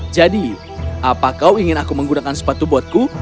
jadi apa kau ingin aku menggunakan sepatu botku